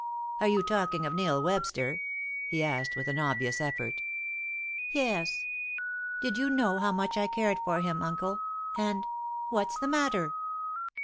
"Are you talking of Neil Webster?" he asked, with an obvious effort. "Yes; did you know how much I cared for him, uncle and what's the matter?"